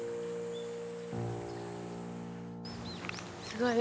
すごい。